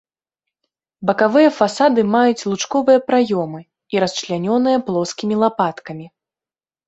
Бакавыя фасады маюць лучковыя праёмы і расчлянёныя плоскімі лапаткамі.